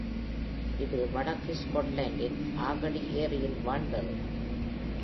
இது வடக்கு ஸ்காட்லாந்தின் ஆர்கடி ஏரியில் வாழ்ந்தது.